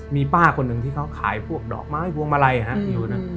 มีป้าคนนึงที่เขาขายพวกดอกไม้วงมาลัยนะ